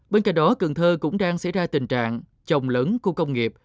bên cạnh đó cần thơ cũng đang xảy ra tình trạng trồng lấn khu công nghiệp